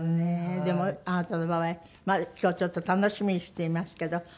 でもあなたの場合まあ今日ちょっと楽しみにしていますけど。